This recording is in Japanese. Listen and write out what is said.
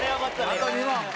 あと２問。